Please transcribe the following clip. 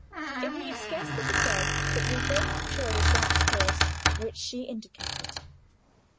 It need scarcely be said that we both chose that course which she indicated.